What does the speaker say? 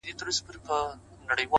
هوډ د ستونزو تر شا فرصت ویني،